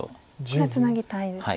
これはツナぎたいですか。